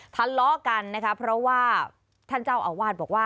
ทะเลาะกันนะคะเพราะว่าท่านเจ้าอาวาสบอกว่า